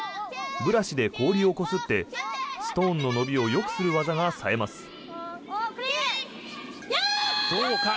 ブラシで氷をこすってストーンの伸びをよくする技が冴えます。